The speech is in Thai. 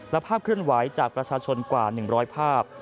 และภาพเคลื่อนไหวจากประชาชนกว่า๑๐๐ภาพ